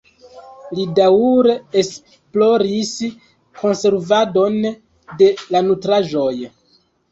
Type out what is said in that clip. Li daŭre esploris konservadon de la nutraĵoj.